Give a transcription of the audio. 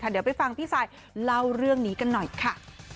เดี๋ยวไปฟังพี่ซายเล่าเรื่องนี้กันหน่อยค่ะ